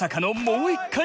もう１回！